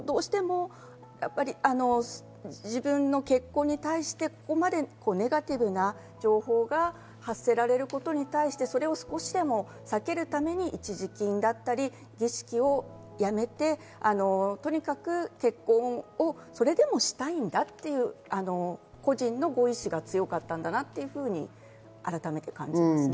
どうしてもご自分の結婚に対してネガティブな情報が発せられることに対して少しでも避けるために一時金だったり、儀式をやめて、とにかく結婚をそれでもしたいんだという個人のご意思が強かったんだなというふうに改めて感じますね。